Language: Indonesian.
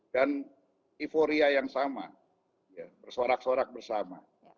dan euphoria yang sama bersorak sorak bersama